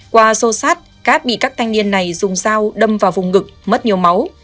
qua sô sát cat bị các thanh niên này dùng dao đâm vào vùng ngực mất nhiều máu